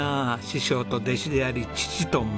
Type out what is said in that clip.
師匠と弟子であり父と息子。